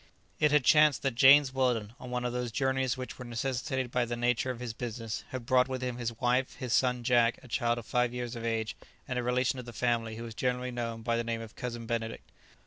It had chanced that James Weldon, on one of those journeys which were necessitated by the nature of his business, had brought with him his wife, his son Jack, a child of five years of age, and a relation of the family who was generally known by the name of Cousin Benedict.